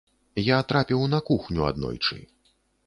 Я трапіў на кухню аднойчы.